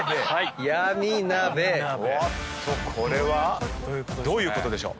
これはどういうことでしょう？